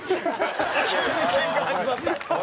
急にケンカ始まった。